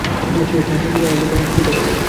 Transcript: তাহলে কী দাঁড়াল?